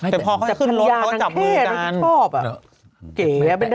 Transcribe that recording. แต่พอเขาให้ขึ้นรถเขาก็จับมือดันแต่ภรรยาทางเพศเขาที่ชอบ